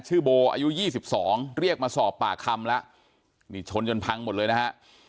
ชื่อโบอายุยี่สิบสองเรียกมาสอบปากคำแล้วนี่ชนจนพังหมดเลยนะฮะ